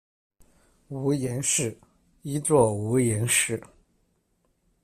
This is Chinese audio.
毋盐氏，一作无盐氏。